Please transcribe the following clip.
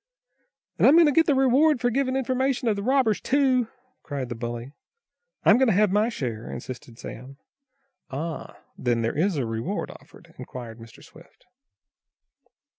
"And I'm going to get the reward for giving information of the robbers, too!" cried the bully. "I'm going to have my share!" insisted Sam. "Ah, then there is a reward offered?" inquired Mr. Swift.